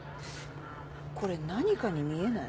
これ何かに見えない？